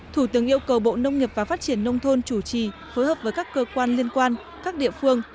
thủ tướng yêu cầu bộ nông nghiệp và phát triển nông thôn chủ trì phối hợp với các cơ quan liên quan các địa phương